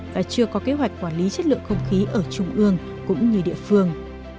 và chưa có kế hoạch quản lý chất lượng không khí ở trung ương cũng như địa phương